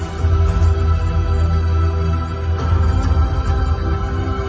มันเป็นเมื่อไหร่แล้ว